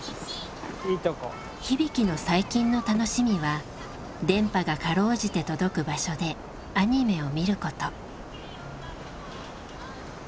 日々貴の最近の楽しみは電波がかろうじて届く場所でアニメを見ること。